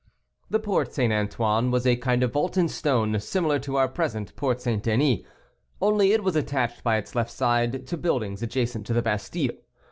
The Porte St. Antoine was a kind of vault in stone, similar to our present Porte St. Denis, only it was attached by its left side to buildings adjacent to the Bastile.